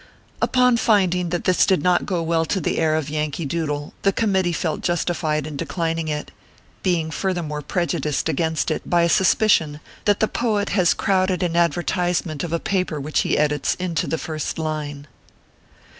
Upon finding that this did not go well to the air of " Yankee Doodle," the committee felt justified in declining it ; being furthermore prejudiced against it by a suspicion that the poet has crowded an adver tisement of a paper which he edits into the first line.